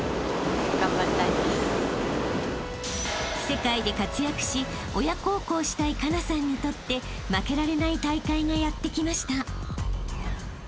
［世界で活躍し親孝行したい佳那さんにとって負けられない大会がやって来ました］